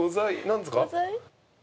何ですか？